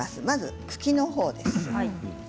まず茎のほうです。